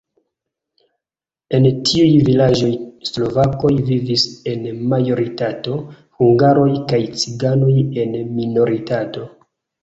En tiuj vilaĝoj slovakoj vivis en majoritato, hungaroj kaj ciganoj en minoritato.